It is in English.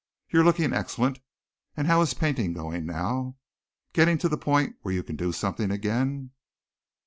You're looking excellent. And how is painting going now? Getting to the point where you can do something again?"